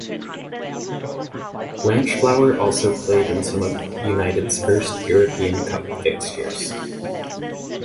Blanchflower also played in some of United's first European Cup fixtures.